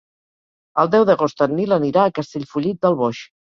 El deu d'agost en Nil anirà a Castellfollit del Boix.